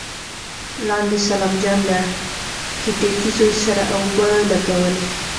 لاندې سلام جان له ټيټکي زوی سره اوبه لګولې.